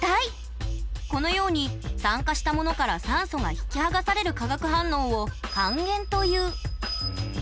このように酸化したものから酸素が引き剥がされる化学反応を「還元」という。